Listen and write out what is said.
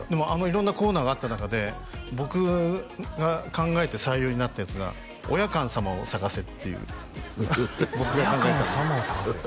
色んなコーナーがあった中で僕が考えて採用になったやつが「おヤカンさまを探せ」っていう僕が考えたんですよ